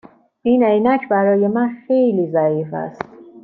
این عینک برای من خیلی ضعیف است.